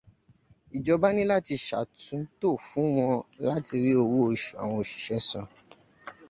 Ìjọba ní láti ṣe àtúntò fún wọn láti rí owó oṣù àwọn òṣìṣẹ́ san.